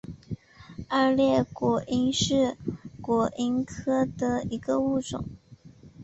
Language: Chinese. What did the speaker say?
二裂果蝇是果蝇科的一个物种。